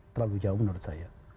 terlalu jauh menurut saya